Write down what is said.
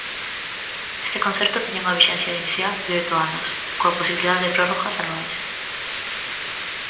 Este concerto tiña unha vixencia inicial de oito anos, coa posibilidade de prórrogas anuais.